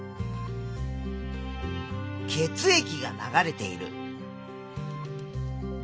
血液が流れている。